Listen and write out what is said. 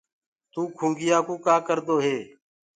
تو کنُگيآ ڪوُ ڪآ ڪردو هي۔